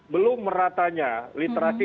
belum meratanya literasi